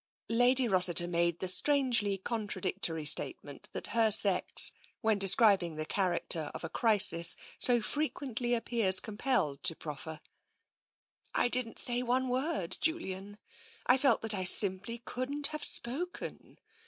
Lady Rossiter made the strangely contradictory statement that her sex, when describing the character of a crisis, so frequently appears compelled to proffer. " I didn't say one word, Julian. I felt that I sim ply couldn't have spoken.